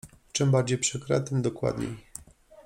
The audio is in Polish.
„Czym bardziej przykre, tym dokładniej.